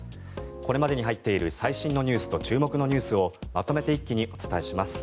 これまでに入っている最新ニュースと注目ニュースをまとめて一気にお伝えします。